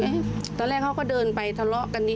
ตรงนึงเฮ้ตอนแรกเขาก็เดินไปทะเลาะกัน